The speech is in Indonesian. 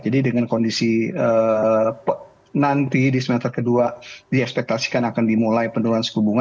jadi dengan kondisi nanti di semester kedua di ekspektasikan akan dimulai penurunan suku bunga